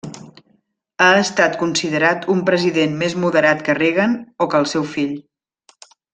Ha estat considerat un president més moderat que Reagan o que el seu fill.